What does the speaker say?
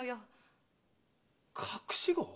・隠し子⁉